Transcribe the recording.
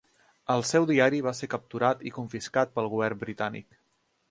El seu diari va ser capturat i confiscat pel govern britànic.